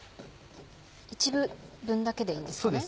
一部分だけでいいんですかね？